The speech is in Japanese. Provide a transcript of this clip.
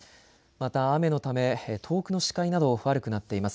また雨のため遠くの視界など悪くなっています。